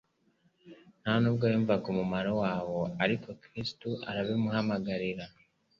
nta n'ubwo yumvaga umumaro wawo, ariko Yesu arabimuhamagarira;